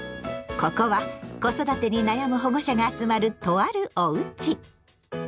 ここは子育てに悩む保護者が集まるとある「おうち」。